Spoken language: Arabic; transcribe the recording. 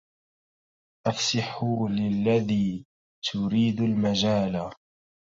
أفسحوا للذي تريد المجالا